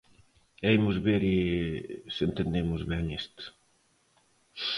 E imos ver se entendemos ben isto.